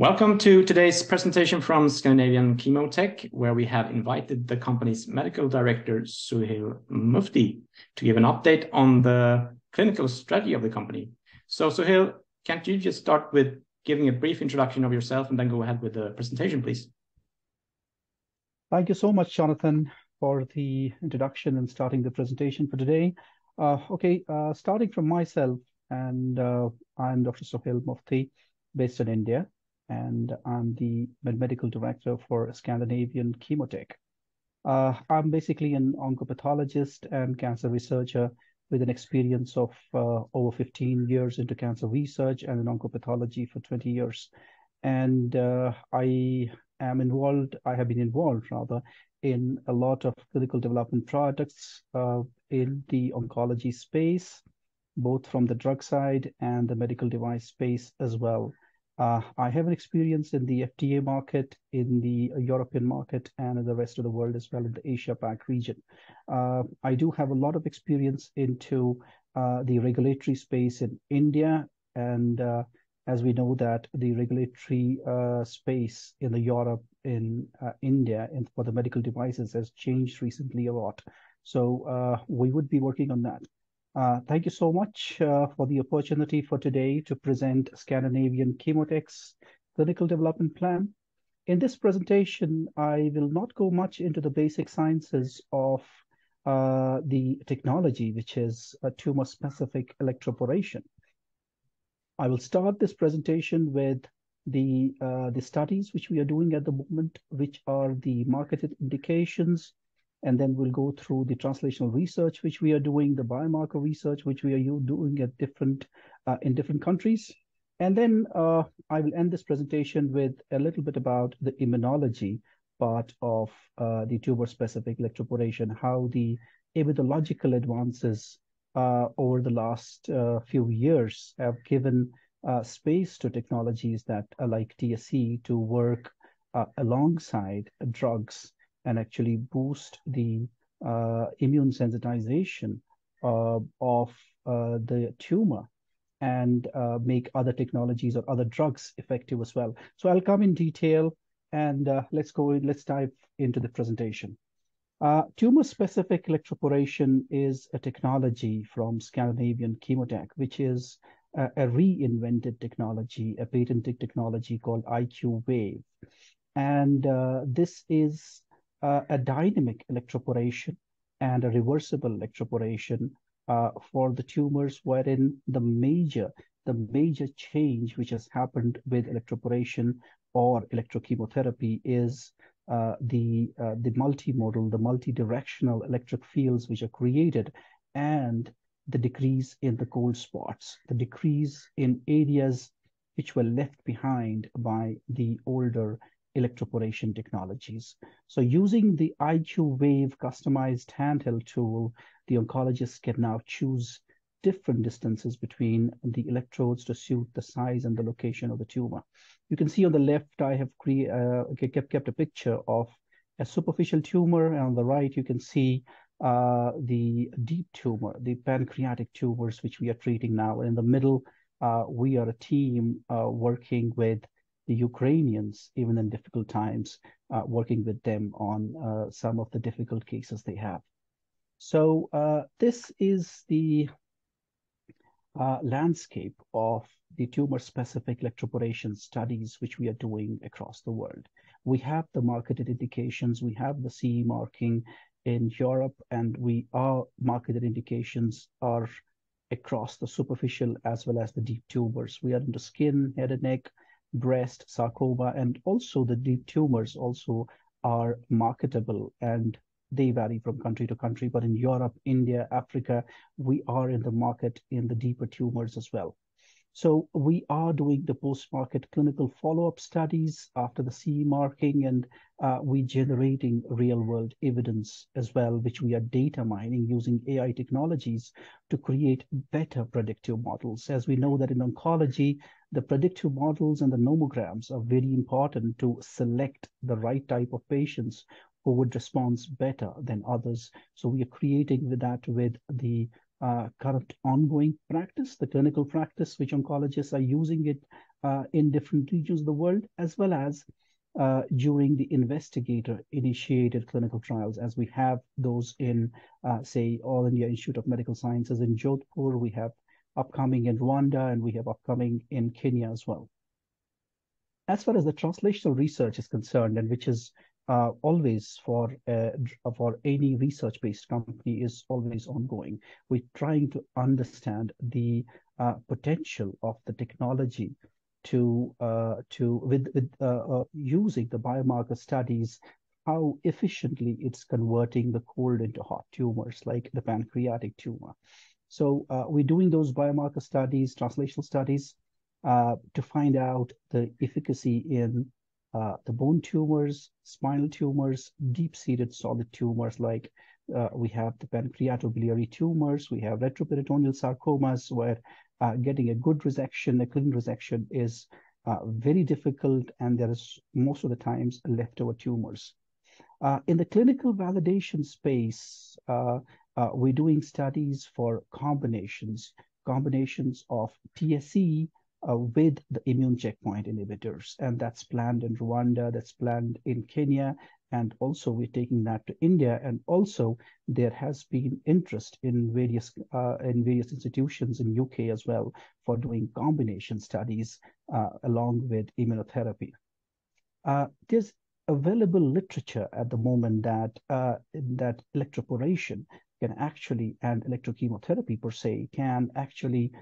Welcome to today's presentation from Scandinavian ChemoTech, where we have invited the company's medical director, Suhail Mufti, to give an update on the clinical strategy of the company. Suhail, can you just start with giving a brief introduction of yourself, and then go ahead with the presentation, please? Thank you so much, Jonathan, for the introduction and starting the presentation for today. Starting from myself, I'm Dr. Suhail Mufti based in India, and I'm the medical director for Scandinavian ChemoTech. I'm basically an oncopathologist and cancer researcher with an experience of over 15 years into cancer research and in oncopathology for 20 years. I have been involved rather, in a lot of clinical development products in the oncology space, both from the drug side and the medical device space as well. I have an experience in the FDA market, in the European market and in the rest of the world as well in the Asia Pac region. I do have a lot of experience into the regulatory space in India and as we know that the regulatory space in the Europe and India and for the medical devices has changed recently a lot. We would be working on that. Thank you so much for the opportunity for today to present Scandinavian ChemoTech's clinical development plan. In this presentation. I will not go much into the basic sciences of the technology, which is a Tumor Specific Electroporation. I will start this presentation with the studies which we are doing at the moment, which are the marketed indications, and then we'll go through the translational research which we are doing, the biomarker research which we are doing at different in different countries. I will end this presentation with a little bit about the immunology part of the Tumor Specific Electroporation, how the immunological advances over the last few years have given space to technologies that like TSE to work alongside drugs and actually boost the immune sensitization of the tumor and make other technologies or other drugs effective as well. I'll come in detail and let's dive into the presentation. Tumor Specific Electroporation is a technology from Scandinavian ChemoTech, which is a reinvented technology, a patented technology called IQwave. This is a dynamic electroporation and a reversible electroporation for the tumors wherein the major change which has happened with electroporation or electrochemotherapy is the multimodal, the multi-directional electric fields which are created and the decrease in the cold spots, the decrease in areas which were left behind by the older electroporation technologies. Using the IQwave customized handheld tool, the oncologists can now choose different distances between the electrodes to suit the size and the location of the tumor. You can see on the left, I have kept a picture of a superficial tumor, and on the right, you can see the deep tumor, the pancreatic tumors, which we are treating now. In the middle, we are a team working with the Ukrainians, even in difficult times, working with them on some of the difficult cases they have. This is the landscape of the Tumor Specific Electroporation studies which we are doing across the world. We have the marketed indications, we have the CE marking in Europe. Marketed indications are across the superficial as well as the deep tumors. We are in the skin, head and neck, breast, sarcoma, and also the deep tumors also are marketable, and they vary from country to country. In Europe, India, Africa, we are in the market in the deeper tumors as well. We are doing the post-market clinical follow-up studies after the CE marking, and we generating real world evidence as well, which we are data mining using AI technologies to create better predictive models. As we know that in oncology, the predictive models and the nomograms are very important to select the right type of patients who would response better than others. We are creating that with the current ongoing practice, the clinical practice, which oncologists are using it in different regions of the world, as well as during the investigator-initiated clinical trials as we have those in say, All India Institute of Medical Sciences in Jodhpur. We have upcoming in Rwanda, and we have upcoming in Kenya as well. As far as the translational research is concerned, and which is always for any research-based company is always ongoing. We're trying to understand the potential of the technology to with using the biomarker studies, how efficiently it's converting the cold into hot tumors, like the pancreatic tumor. We're doing those biomarker studies, translational studies, to find out the efficacy in the bone tumors, spinal tumors, deep-seated solid tumors, like we have the pancreatobiliary tumors. We have retroperitoneal sarcomas, where getting a good resection, a clean resection is very difficult, and there is most of the times leftover tumors. In the clinical validation space, we're doing studies for combinations of TSE with the immune checkpoint inhibitors, and that's planned in Rwanda, that's planned in Kenya, and also we're taking that to India. There has been interest in various institutions in U.K. as well for doing combination studies along with immunotherapy. There's available literature at the moment that electroporation can actually, and electrochemotherapy per se, can actually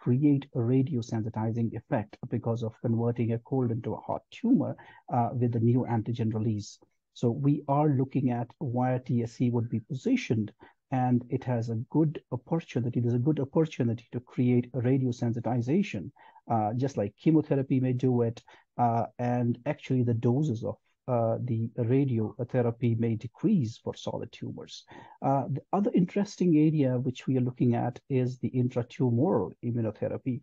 create a radiosensitizing effect because of converting a cold into a hot tumor with the new antigen release. We are looking at where TSE would be positioned, and it has a good opportunity. There's a good opportunity to create radiosensitization, just like chemotherapy may do it. Actually the doses of the radiotherapy may decrease for solid tumors. The other interesting area which we are looking at is the intratumoral immunotherapy.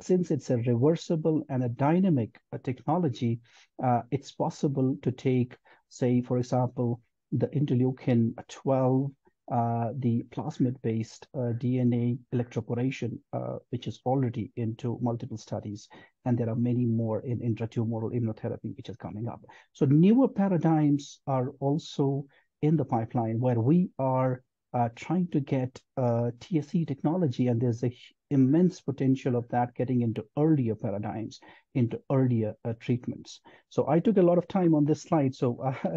Since it's a reversible and a dynamic technology, it's possible to take, say for example, the Interleukin-12, the plasmid-based DNA electroporation, which is already into multiple studies, and there are many more in Intratumoral immunotherapy which is coming up. Newer paradigms are also in the pipeline where we are trying to get TSE technology, and there's a immense potential of that getting into earlier paradigms, into earlier treatments. I took a lot of time on this slide,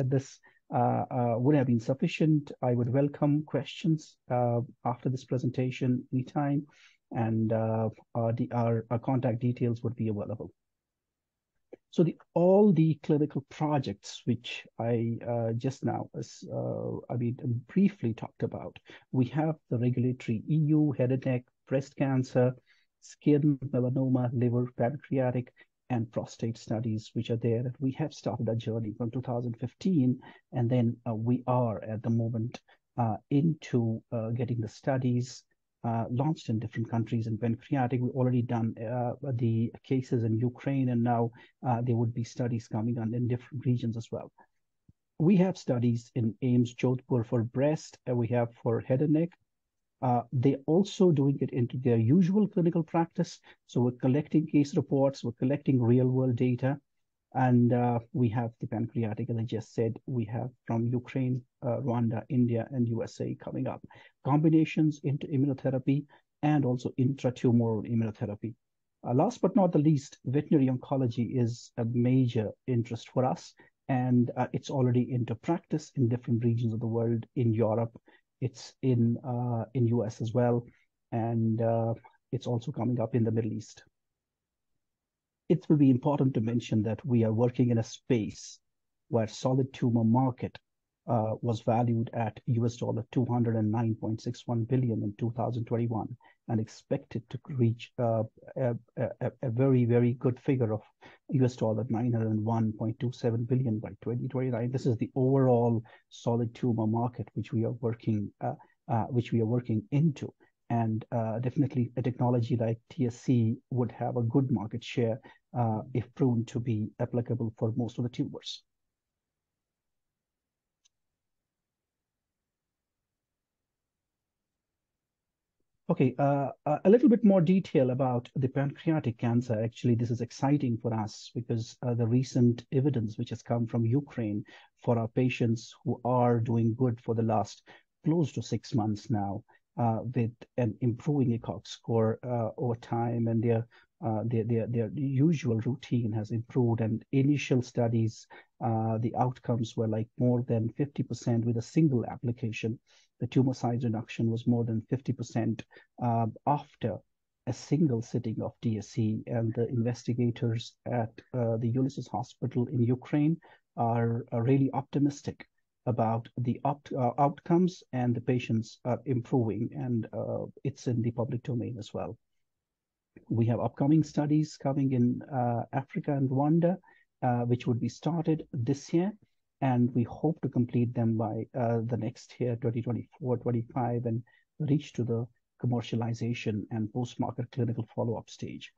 this would have been sufficient. I would welcome questions after this presentation anytime, our contact details would be available. The, all the clinical projects which I just now has, I mean, briefly talked about, we have the regulatory EU, head and neck, breast cancer, skin melanoma, liver, pancreatic, and prostate studies which are there. We have started our journey from 2015, we are at the moment into getting the studies launched in different countries. In pancreatic, we've already done the cases in Ukraine there would be studies coming on in different regions as well. We have studies in AIIMS Jodhpur for breast, and we have for head and neck. They're also doing it into their usual clinical practice, so we're collecting case reports, we're collecting real world data, we have the pancreatic, as I just said. We have from Ukraine, Rwanda, India, and USA coming up. Combinations into immunotherapy and also intratumoral immunotherapy. Last but not the least, veterinary oncology is a major interest for us, and it's already into practice in different regions of the world. In Europe, it's in U.S. as well, and it's also coming up in the Middle East. It will be important to mention that we are working in a space where solid tumor market was valued at $209.61 billion in 2021, and expected to reach a very, very good figure of $901.27 billion by 2029. This is the overall solid tumor market which we are working into. Definitely a technology like TSE would have a good market share if proven to be applicable for most of the tumors. Okay. A little bit more detail about the pancreatic cancer. Actually, this is exciting for us because the recent evidence which has come from Ukraine for our patients who are doing good for the last close to six months now, with an improving ECOG score over time and their usual routine has improved. Initial studies, the outcomes were, like, more than 50% with a single application. The tumor size reduction was more than 50% after a single sitting of TSE. The investigators at the LISOD - Israel Oncology Hospital in Ukraine are really optimistic about the outcomes and the patients are improving and it's in the public domain as well. We have upcoming studies coming in Africa and Rwanda, which would be started this year. We hope to complete them by the next year, 2024, 2025, and reach to the commercialization and post-market clinical follow-up stage.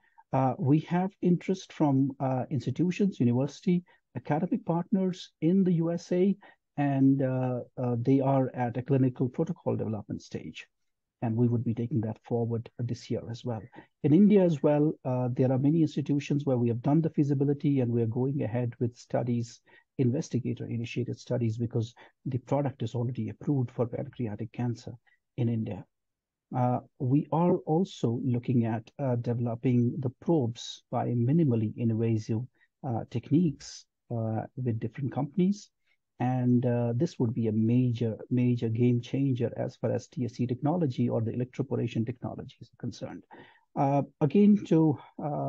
We have interest from institutions, university, academic partners in the USA, and they are at a clinical protocol development stage. We would be taking that forward this year as well. In India as well, there are many institutions where we have done the feasibility, and we are going ahead with studies, investigator-initiated studies, because the product is already approved for pancreatic cancer in India. We are also looking at developing the probes by minimally invasive techniques with different companies, and this would be a major game changer as far as TSE technology or the electroporation technology is concerned. Again, to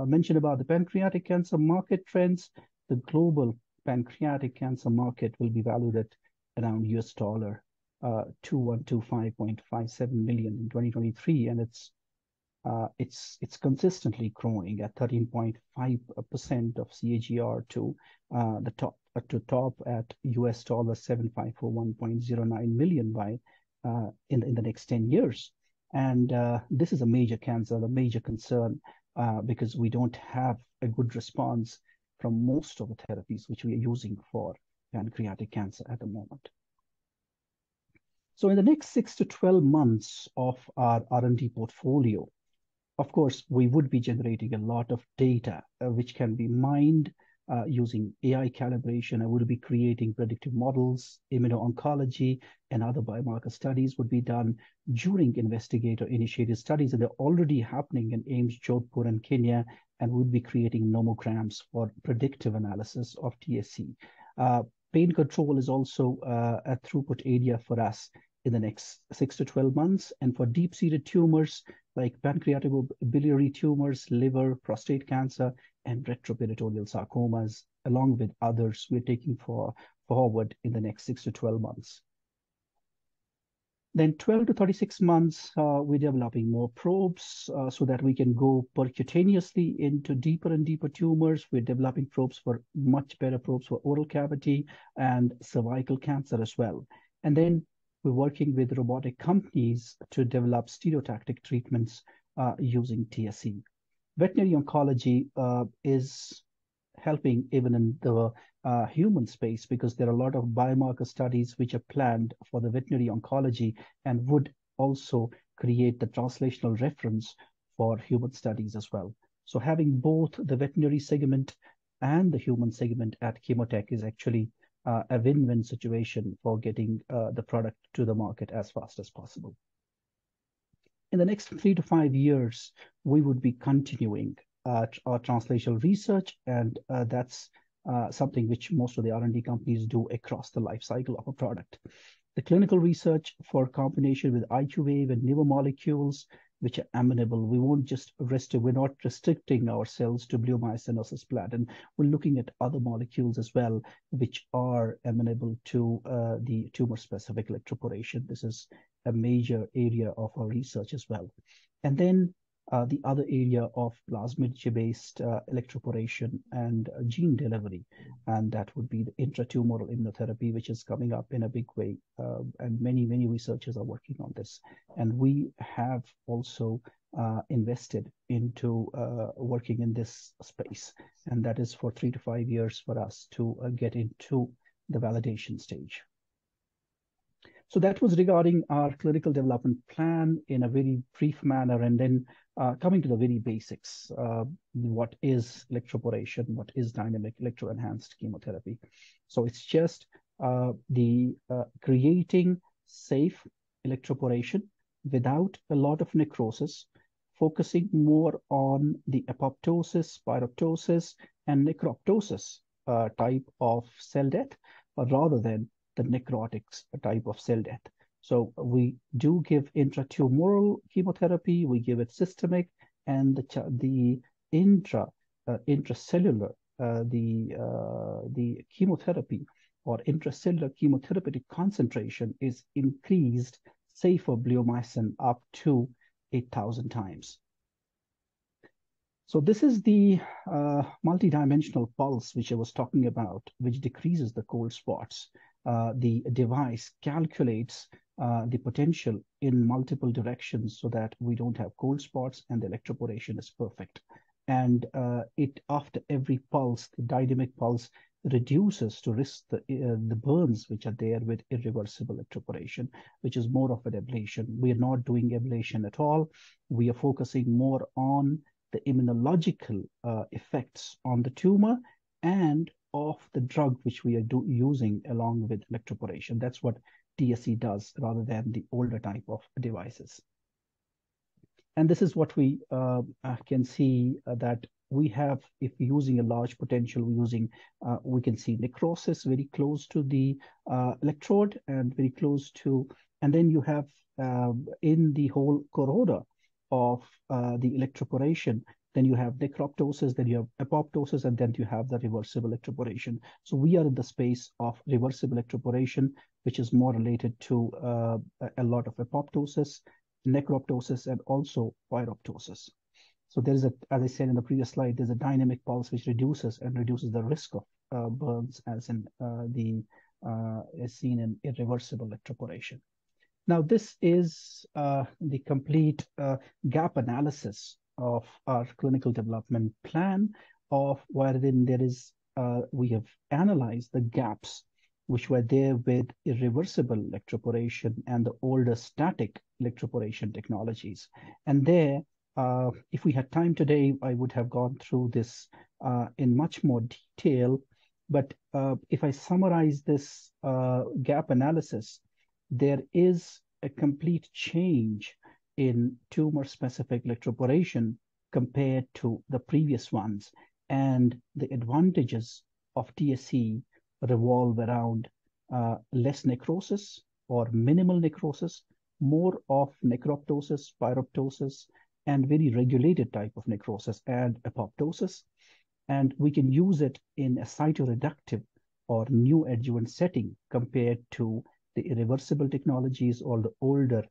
mention about the pancreatic cancer market trends, the global pancreatic cancer market will be valued at around $2,125.57 billion in 2023, and it's consistently growing at 13.5% of CAGR to top at $7,541.09 billion in the next 10 years. This is a major cancer, a major concern, because we don't have a good response from most of the therapies which we are using for pancreatic cancer at the moment. In the next 6-12 months of our R&D portfolio, of course, we would be generating a lot of data, which can be mined, using AI calibration and we'll be creating predictive models, immuno-oncology, and other biomarker studies would be done during investigator-initiated studies. They're already happening in AIIMS Jodhpur and Kenya, and we'll be creating nomograms for predictive analysis of TSE. Pain control is also a throughput area for us in the next 6-12 months. For deep-seated tumors like pancreaticobiliary tumors, liver, prostate cancer, and retroperitoneal sarcomas, along with others, we're taking forward in the next 6-12 months. 12-36 months, we're developing more probes, so that we can go percutaneously into deeper and deeper tumors. We're developing probes for much better probes for oral cavity and cervical cancer as well. We're working with robotic companies to develop stereotactic treatments, using TSE. Veterinary oncology is helping even in the human space because there are a lot of biomarker studies which are planned for the veterinary oncology and would also create the translational reference for human studies as well. Having both the veterinary segment and the human segment at ChemoTech is actually a win-win situation for getting the product to the market as fast as possible. In the next three to five years, we would be continuing our translational research, and that's something which most of the R&D companies do across the life cycle of a product. The clinical research for combination with IQwave and newer molecules which are amenable, we won't just rest. We're not restricting ourselves to bleomycin or cisplatin. We're looking at other molecules as well which are amenable to the Tumor Specific Electroporation. This is a major area of our research as well. The other area of plasmid-based electroporation and gene delivery, and that would be the Intratumoral immunotherapy, which is coming up in a big way. Many, many researchers are working on this. We have also invested into working in this space, and that is for three to five years for us to get into the validation stage. That was regarding our clinical development plan in a very brief manner. Then, coming to the very basics, what is electroporation? What is Dynamic-Electro Enhanced Chemotherapy? It's just, the, creating safe electroporation without a lot of necrosis, focusing more on the apoptosis, pyroptosis, and necroptosis, type of cell death rather than the necrotics type of cell death. We do give intratumoral chemotherapy. We give it systemic. The intra, intracellular, the chemotherapy or intracellular chemotherapeutic concentration is increased, say for bleomycin, up to 8,000 times. This is the, multidimensional pulse, which I was talking about, which decreases the cold spots. The device calculates, the potential in multiple directions so that we don't have cold spots, and the electroporation is perfect. After every pulse, the dynamic pulse reduces to risk the burns which are there with irreversible electroporation, which is more of an ablation. We are not doing ablation at all. We are focusing more on the immunological effects on the tumor and of the drug, which we are using along with electroporation. That's what TSE does rather than the older type of devices. This is what we can see that we have if using a large potential, we're using, we can see necrosis very close to the electrode. You have in the whole corona of the electroporation, you have necroptosis, you have apoptosis, and then you have the reversible electroporation. We are in the space of reversible electroporation, which is more related to a lot of apoptosis, necroptosis, and also pyroptosis. There is a, as I said in the previous slide, there's a dynamic pulse which reduces the risk of burns as in the as seen in irreversible electroporation. Now, this is the complete gap analysis of our clinical development plan of wherein there is we have analyzed the gaps which were there with irreversible electroporation and the older static electroporation technologies. There, if we had time today, I would have gone through this in much more detail. If I summarize this gap analysis, there is a complete change in tumor-specific electroporation compared to the previous ones. The advantages of TSE revolve around less necrosis or minimal necrosis, more of necroptosis, pyroptosis, and very regulated type of necrosis and apoptosis. We can use it in a cytoreductive or neoadjuvant setting compared to the irreversible technologies or the older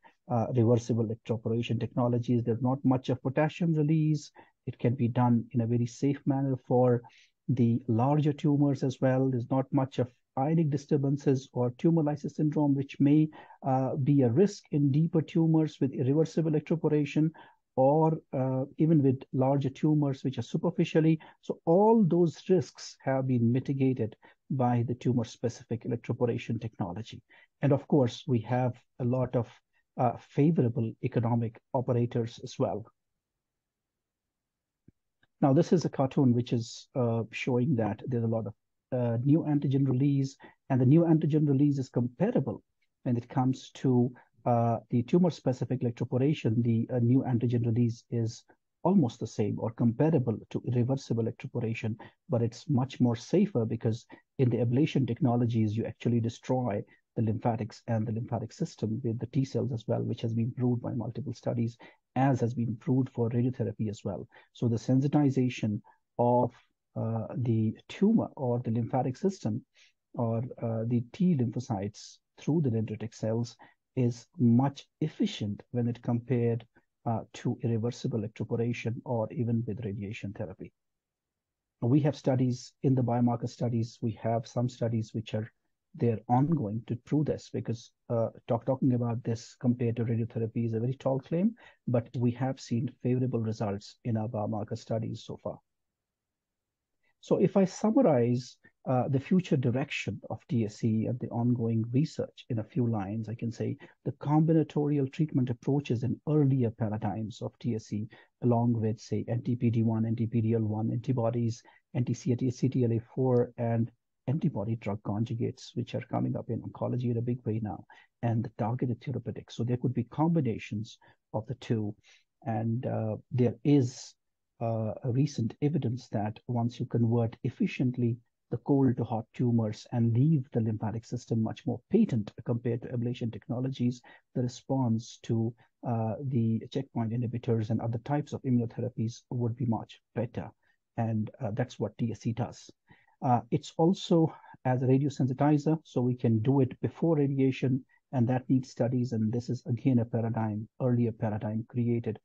reversible electroporation technologies. There's not much of potassium release. It can be done in a very safe manner for the larger tumors as well. There's not much of ionic disturbances or tumor lysis syndrome, which may be a risk in deeper tumors with irreversible electroporation or even with larger tumors which are superficially. All those risks have been mitigated by the Tumor Specific Electroporation technology. Of course, we have a lot of favorable economic operators as well. This is a cartoon which is showing that there's a lot of new antigen release, and the new antigen release is comparable when it comes to the Tumor Specific Electroporation. The new antigen release is almost the same or comparable to irreversible electroporation, but it's much more safer because in the ablation technologies, you actually destroy the lymphatics and the lymphatic system with the T-cells as well, which has been proved by multiple studies, as has been proved for radiotherapy as well. The sensitization of the tumor or the lymphatic system or the T lymphocytes through the dendritic cells is much efficient when it compared to irreversible electroporation or even with radiation therapy. We have studies... In the biomarker studies, we have some studies they're ongoing to prove this because talking about this compared to radiotherapy is a very tall claim, but we have seen favorable results in our biomarker studies so far. If I summarize the future direction of TSE and the ongoing research in a few lines. I can say the combinatorial treatment approaches in earlier paradigms of TSE, along with, say, anti-PD-1, anti-PD-L1 antibodies, anti-CTLA-4 and antibody-drug conjugates, which are coming up in oncology in a big way now, and the targeted therapeutics. There could be combinations of the two, and there is recent evidence that once you convert efficiently the cold to hot tumors and leave the lymphatic system much more patent compared to ablation technologies, the response to the checkpoint inhibitors and other types of immunotherapies would be much better, and that's what TSE does. It's also as a radiosensitizer, so we can do it before radiation, and that needs studies, and this is again a paradigm, earlier paradigm created,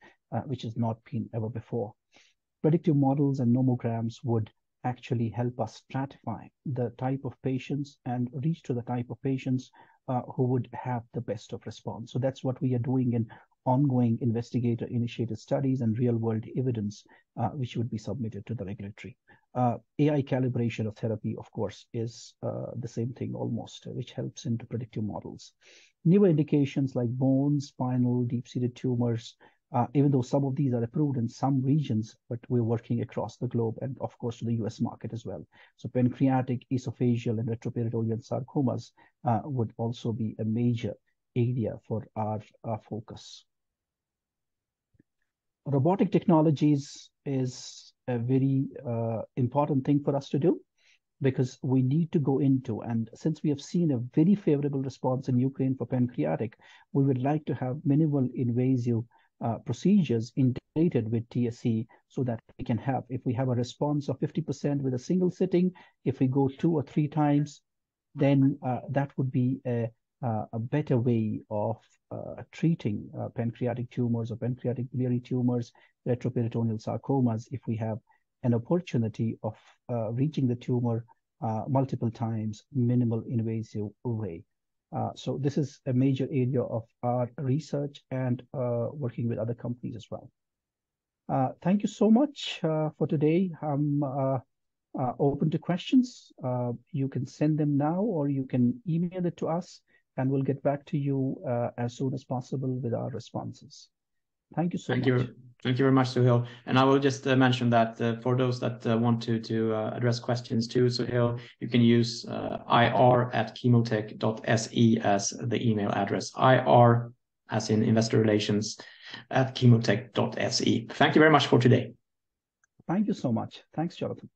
which has not been ever before. Predictive models and nomograms would actually help us stratify the type of patients and reach to the type of patients, who would have the best of response. That's what we are doing in ongoing investigator-initiated studies and real world evidence, which would be submitted to the regulatory. AI calibration of therapy, of course, is the same thing almost, which helps in the predictive models. Newer indications like bone, spinal, deep-seated tumors, even though some of these are approved in some regions, but we're working across the globe and of course to the U.S. market as well. Pancreatic, esophageal and retroperitoneal sarcomas, would also be a major area for our focus. Robotic technologies is a very important thing for us to do because we need to go into, and since we have seen a very favorable response in Ukraine for pancreatic, we would like to have minimal invasive procedures integrated with TSE so that we can have... If we have a response of 50% with a single sitting, if we go two or three times, then, that would be a better way of treating pancreatic tumors or pancreatic neuroendocrine tumors, retroperitoneal sarcomas, if we have an opportunity of reaching the tumor multiple times, minimal invasive way. This is a major area of our research and working with other companies as well. Thank you so much for today. I'm open to questions. You can send them now or you can email it to us, and we'll get back to you as soon as possible with our responses. Thank you so much. Thank you. Thank you very much, Suhail. I will just mention that for those that want to address questions to Suhail, you can use ir@chemotech.se as the email address. IR, as in investor relations, @chemotech.se. Thank you very much for today. Thank you so much. Thanks, Jonathan.